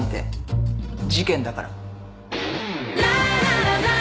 事件だから。